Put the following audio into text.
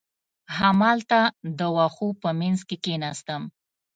همالته د وښو په منځ کې کېناستم.